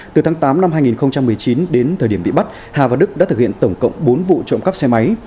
từ tháng tám năm hai nghìn một mươi chín đến thời điểm bị bắt hà và đức đã thực hiện tổng cộng bốn vụ trộm cắp xe máy